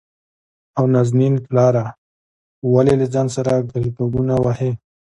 او نازنين پلاره ! ولې له ځان سره کلګکونه وهې؟